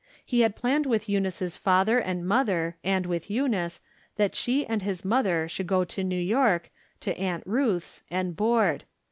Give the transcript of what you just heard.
He had planned mth Eunice's father and mother, and with Eunice, that she and his mother should go to New York, to Aunt Ruth's, and board.